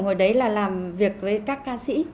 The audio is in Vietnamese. hồi đấy là làm việc với các ca sĩ